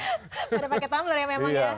sudah pakai tumbler ya memang ya